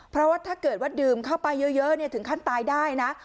เพราะว่าถ้าเกิดว่าดื่มเข้าไปเยอะถึงขั้นตายได้นะ